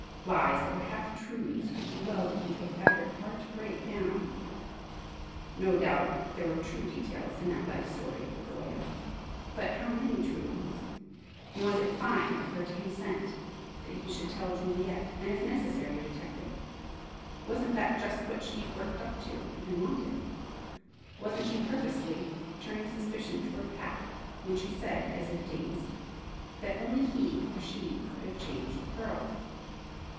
Lies that were half truths could be welded into a fabric hard to break down. No doubt there were true details in that life history of Pavoya. But how many true ones? And was it "fine" of her to "consent" that he should tell Juliet, and if necessary a detective? Wasn't that just what she'd worked up to, and wanted? Wasn't she purposely turning suspicion toward Pat when she said, as if dazed, that only he or she could have changed the pearls?